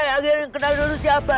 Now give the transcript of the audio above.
akhirnya kenal dulu siapa